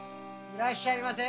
・いらっしゃいませ。